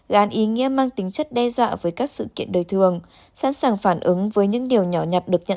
gan ý nghĩa mang tính chất đe dọa với các sự kiện đời thường sẵn sàng phản ứng với những điều nhỏ nhặt được nhận